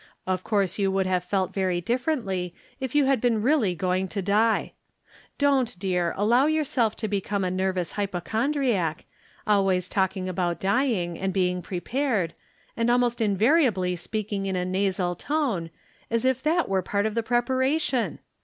Of course you would have felt very differently if you had been really going to die. Don't, dear, allow yourself to become a nervous hypochondriac, always talking about dying, and being prepared, and almost invariably speaking in a nasal tone, as if that were a part of the preparation.